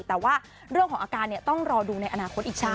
แต่ว่าเรื่องของอาการเนี่ยต้องรอดูในอนาคตอีกหนึ่งนะ